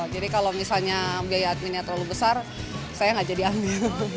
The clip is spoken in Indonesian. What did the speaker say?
jadi kalau misalnya biaya adminnya terlalu besar saya gak jadi ambil